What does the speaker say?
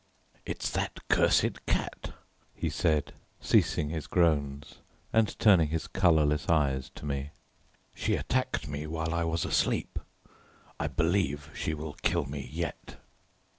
"It's that cursed cat," he said, ceasing his groans, and turning his colourless eyes to me; "she attacked me while I was asleep. I believe she will kill me yet."